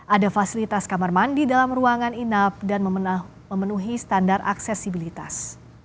ada fasilitas kamar mandi dalam ruangan inap dan memenuhi standar aksesibilitas